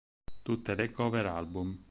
Tutte le cover Album.